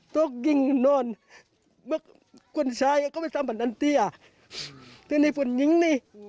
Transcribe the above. เราต้องกินกุญชายล้างก็ทำแบบนั้น